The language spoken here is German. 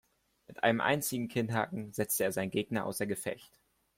Mit einem einzigen Kinnhaken setzte er seinen Gegner außer Gefecht.